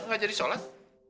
gak jadi sholat